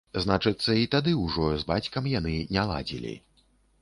Значыцца, і тады ўжо з бацькам яны не ладзілі.